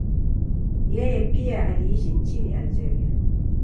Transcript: Yeye pia aliishi nchini Algeria.